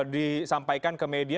disampaikan ke media